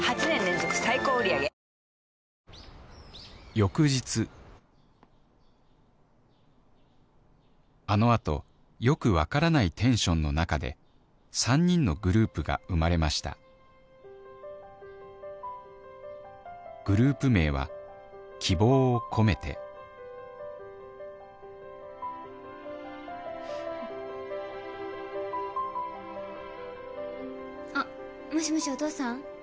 翌日あの後よくわからないテンションの中で３人のグループが生まれましたグループ名は希望を込めてあっもしもしお父さん？